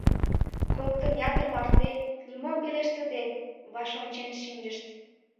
Коктын ятыр марте, нимом пелештыде, ваш ончен шинчышт.